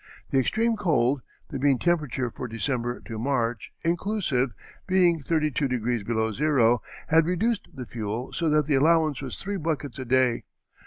The extreme cold the mean temperature for December to March, inclusive, being thirty two degrees below zero had reduced the fuel so that the allowance was three buckets a day.